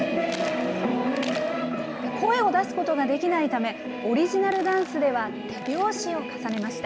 声を出すことができないため、オリジナルダンスでは手拍子を重ねました。